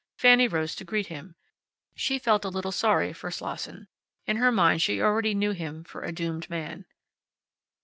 Fanny rose to greet him. She felt a little sorry for Slosson. In her mind she already knew him for a doomed man.